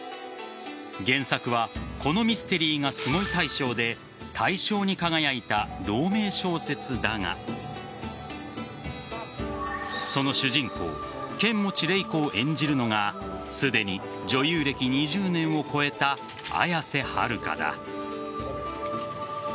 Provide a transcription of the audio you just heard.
原作はこのミステリーがすごい！大賞で大賞に輝いた同名小説だがその主人公剣持麗子を演じるのがすでに女優歴２０年を超えた綾瀬はるかだ。